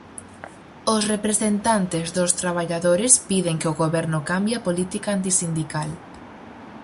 Os representantes dos traballadores piden que o goberno cambie a política antisindical.